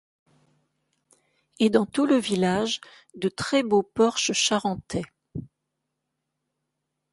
Et dans tout le village, de très beaux porches charentais.